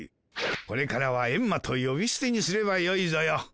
これからはエンマとよびすてにすればよいぞよ。